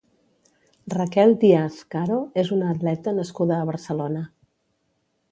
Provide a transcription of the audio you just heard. Raquel Diaz Caro és una atleta nascuda a Barcelona.